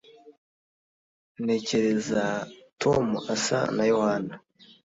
ntekereza tom asa na yohana